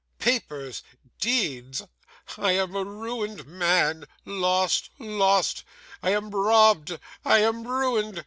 'Papers, deeds. I am a ruined man. Lost, lost! I am robbed, I am ruined!